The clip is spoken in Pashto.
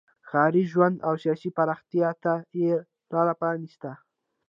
ښاري ژوند او سیاسي پراختیا ته یې لار پرانیسته.